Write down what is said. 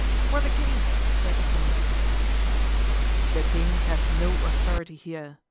"For the king!" cried D'Artagnan. "The king has no authority here!"